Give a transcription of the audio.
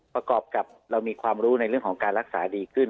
ประกอบกับเรามีความรู้ในเรื่องของการรักษาดีขึ้น